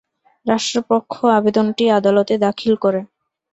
রাষ্ট্রপক্ষ আবেদনটি আদালতে দাখিল করে।